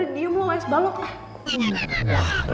ya ya diam lo es balok lah